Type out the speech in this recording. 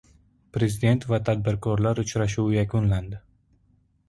Prezident va tadbirkorlar uchrashuvi yakunlandi